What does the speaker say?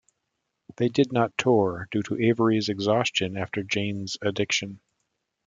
They did not tour due to Avery's exhaustion after Jane's Addiction.